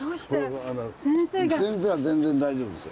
先生は全然大丈夫ですよ。